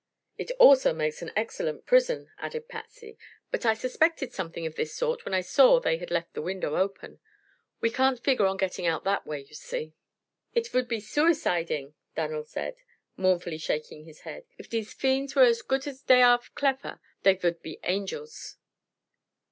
"It also makes an excellent prison," added Patsy. "But I suspected something of this sort when I saw they had left the window open. We can't figure on getting out that way, you see." "Id vould be suiciding," Dan'l said, mournfully shaking his head. "If dese fiends were as goot as dey are clefer, dey vould be angels."